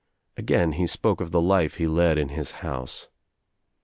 Again he spoke of the life he led in his house.